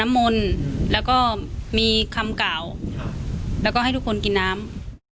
มนต์แล้วก็มีคำกล่าวแล้วก็ให้ทุกคนกินน้ำ